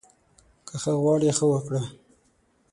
که ښه غواړې، ښه وکړه